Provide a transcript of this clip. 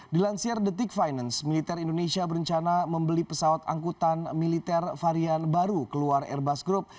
dilansir the tick finance militer indonesia berencana membeli pesawat angkutan militer varian baru keluar airbus group